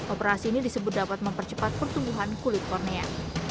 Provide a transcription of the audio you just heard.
operasi ini disebut dapat mempercepat pertumbuhan kulit kornea